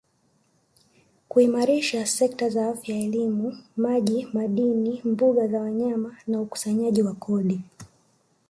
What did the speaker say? kuimarisha sekta za Afya elimu maji madini mbuga za wanyama na ukusanyaji wa kodi